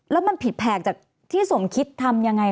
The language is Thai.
แล้วมันผิดแผกจากที่สมคิดทำยังไง